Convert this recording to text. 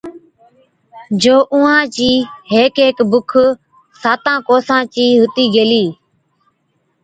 جو اُونهان چِي هيڪ هيڪ بِک ساتان ڪوسان چِي هُتِي گيلِي۔